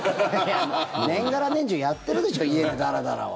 年がら年中やってるでしょ家でダラダラは。